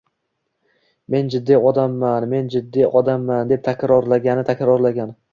«Men jiddiy odamman! Men jiddiy odamman!», deb takrorlagani-takrorlagan.